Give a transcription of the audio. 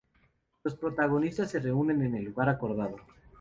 Los protagonistas se reúnen en el lugar acordado.